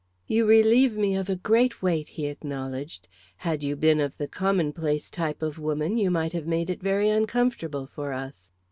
"You relieve me of a great weight," he acknowledged. "Had you been of the commonplace type of woman, you might have made it very uncomfortable for us."